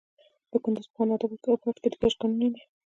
د کندز په خان اباد کې د ګچ کانونه دي.